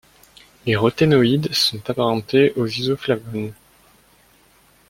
Les roténoïdes sont apparentés aux isoflavones.